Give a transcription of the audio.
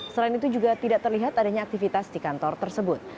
selain itu juga tidak terlihat adanya aktivitas di kantor tersebut